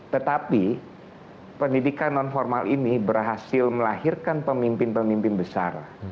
tetapi pendidikan non formal ini berhasil melahirkan pemimpin pemimpin besar